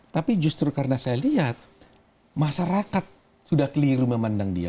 tapi justru karena saya lihat masyarakat sudah keliru memandang dia